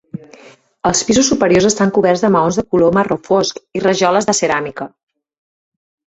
Els pisos superiors estan coberts de maons de color marró fosc i rajoles de ceràmica.